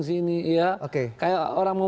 sini kayak orang mau